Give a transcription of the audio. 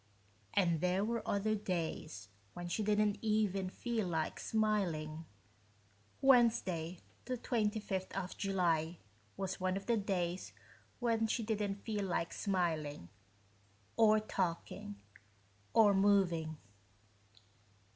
And there were other days when she didn't even feel like smiling. Wednesday, the 25th of July, was one of the days when she didn't feel like smiling. Or talking. Or moving.